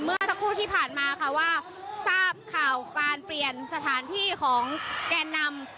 เมื่อสักครู่ที่ผ่านมาค่ะว่าทราบข่าวการเปลี่ยนสถานที่ของแกนนำ